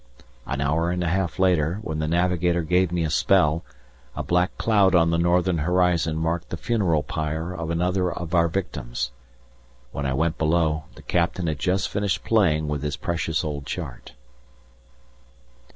An hour and a half later, when the navigator gave me a spell, a black cloud on the northern horizon marked the funeral pyre of another of our victims. When I went below, the Captain had just finished playing with his precious old chart.